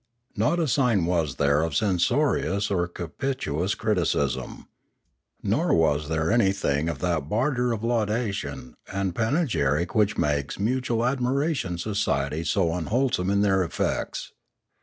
Not a sign was there of censorious or captious criticism. Nor was there anything of that barter of laudation and panegyric which makes mutual admiration societies so unwholesome in their effects.